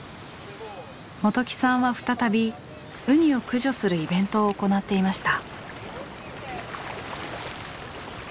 元起さんは再びウニを駆除するイベントを行っていました。